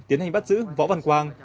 tiến hành bắt giữ võ văn quang